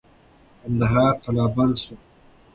کندهار قلابند سو.